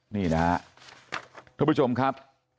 นี่นะฮะทุกผู้ชมครับ